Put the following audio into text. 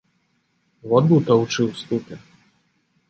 Ваду таўчы ў ступе.